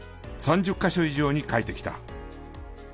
３０カ所以上に描いてきた。